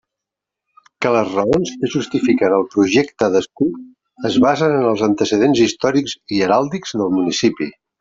Que les raons que justifiquen el projecte d'escut es basen en els antecedents històrics i heràldics del municipi.